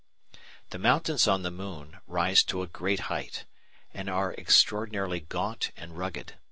The mountains on the moon (Fig. 16) rise to a great height, and are extraordinarily gaunt and rugged.